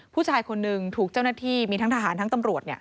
ผู้ชายคนหนึ่งถูกเจ้าหน้าที่มีทั้งทหารทั้งตำรวจ